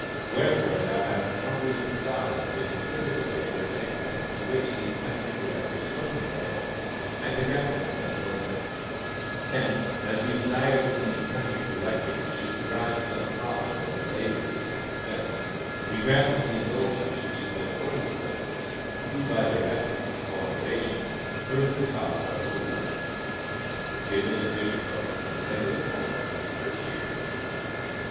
Wherefore thou hast humbly besought us to consider the labor and expense to wdiich these country collectors put themselves and to grant them some indulgence ; hence, as we desire that these country collectors should derive some profit from their labors and expense, we grant them the indulgence which has been accorded to those who by their efforts and coop eration further the cause of the Holy Land. Given at Viterbo December 4th, in the first jT^ear.